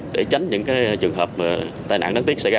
để tránh những trường hợp tai nạn đáng tiếc xảy ra